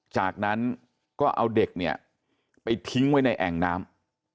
จากนั้นก็เอาเด็กเนี่ยไปทิ้งไว้ในแอ่งน้ำ